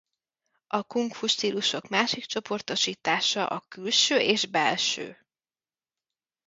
A kung-fu stílusok másik csoportosítása a külső és belső.